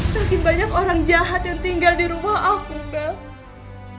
makin banyak orang jahat yang tinggal di rumah aku mbak